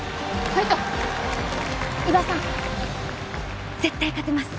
伊庭さん絶対勝てます。